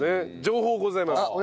情報ございます。